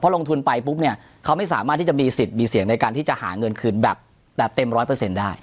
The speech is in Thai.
ลงทุนไปปุ๊บเนี่ยเขาไม่สามารถที่จะมีสิทธิ์มีเสียงในการที่จะหาเงินคืนแบบเต็มร้อยเปอร์เซ็นต์ได้